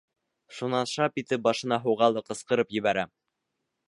Шунан шап итеп башына һуға ла ҡысҡырып ебәрә: